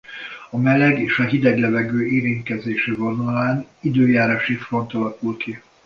A meleg és a hideg levegő érintkezési vonalán időjárási front alakul ki.